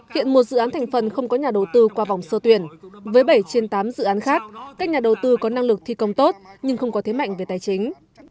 hiện một dự án thành phần không có nhà đầu tư qua vòng sơ tuyển với bảy trên tám dự án khác các nhà đầu tư có năng lực thi công tốt nhưng không có thế mạnh về tài chính